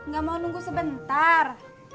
gak mau nunggu sebentar